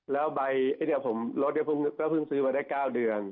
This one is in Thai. แล้วใบอย่างนี้ผมรถได้พึ่งซื้อมาได้๙เดือน